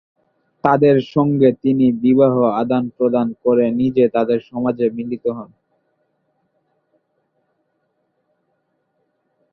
তাদের সঙ্গে তিনি বিবাহ আদান প্রদান করে নিজে তাদের সমাজে মিলিত হন।